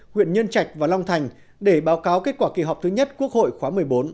huyện nhân trạch và long thành để báo cáo kết quả kỳ họp thứ nhất quốc hội khóa một mươi bốn